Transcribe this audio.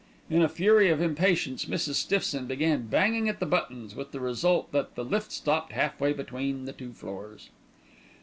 In a fury of impatience, Mrs. Stiffson began banging at the buttons, with the result that the lift stopped halfway between the two floors.